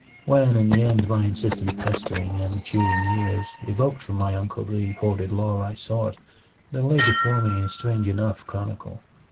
When, in the end, my insistent pestering and maturing years evoked from my uncle the hoarded lore I sought, there lay before me a strange enough chronicle.